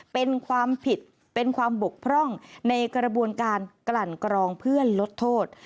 เป็นความผิดเป็นความบกพร่องในกระบวนการกลั่นกรองเพื่อลดโทษ